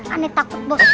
aneh takut bos